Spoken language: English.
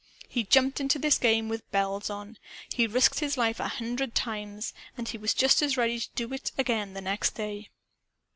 He jumped into this game, with bells on. He risked his life a hundred times; and he was just as ready to risk it again the next day.